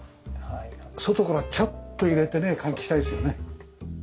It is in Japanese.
外からチャッと入れてね換気したいですよね。